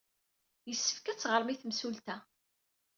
Yessefk ad teɣrem i temsulta.